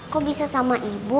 kok bisa sama ibu